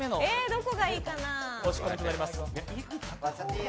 どこがいいかな？